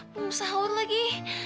bum sahur lagi